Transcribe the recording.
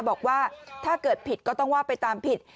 บอกว่าถ้าเกิดผิดก็ต้องว่าไปตามผิด